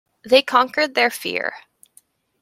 They conquered their fear.